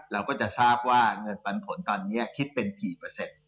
เราก็จะทราบว่าเงินปันผลตอนนี้คิดเป็นกี่เปอร์เซ็นต์